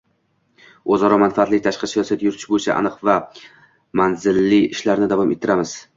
o‘zaro manfaatli tashqi siyosat yuritish bo‘yicha aniq va manzilli ishlarni davom ettiramiz.